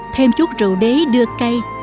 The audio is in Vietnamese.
thêm chút rượu đế đưa cây